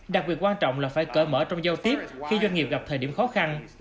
đặc biệt quan trọng là phải cỡ mở trong giao tiếp khi doanh nghiệp gặp thời điểm khó khăn